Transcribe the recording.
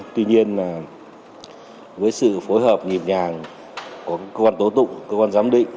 tuy nhiên với sự phối hợp nhịp nhàng của cơ quan tố tụng cơ quan giám định